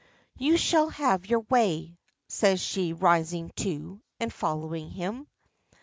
"You shall have your way," says she, rising too, and following him.